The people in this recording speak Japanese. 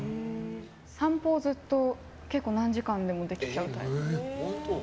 散歩をずっと結構何時間でもできちゃうタイプ。